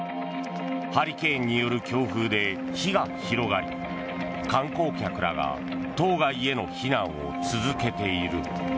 ハリケーンによる強風で火が広がり観光客らが島外への避難を続けている。